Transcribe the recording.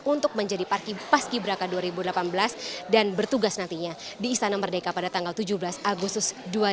untuk menjadi parkir paski braka dua ribu delapan belas dan bertugas nantinya di istana merdeka pada tanggal tujuh belas agustus dua ribu delapan belas